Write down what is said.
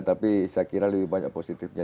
tapi saya kira lebih banyak positifnya